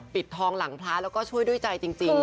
ปิดทองหลังพระแล้วก็ช่วยด้วยใจจริง